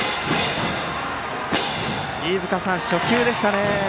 飯塚さん、初球でしたね。